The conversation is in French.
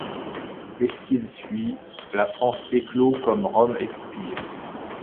Eschyle suit ; la France éclôt quand Rome expire ;